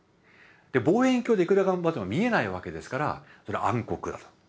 望遠鏡でいくら頑張っても見えないわけですからそれは暗黒だと。